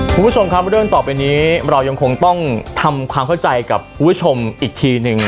คุณผู้ชมครับเรื่องต่อไปนี้เรายังคงต้องทำความเข้าใจกับคุณผู้ชมอีกทีหนึ่ง